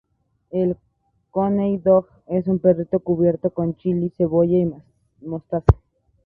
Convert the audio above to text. El "Coney dog" es un perrito cubierto con chili, cebolla y mostaza.